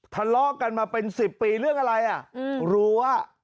ทะเลาะกันมาเป็น๑๐ปีเรื่องอะไรอ่ะรั้ว